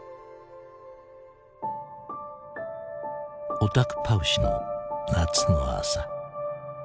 オタクパウシの夏の朝。